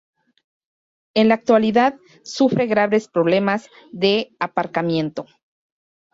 En la actualidad sufre graves problemas de aparcamiento.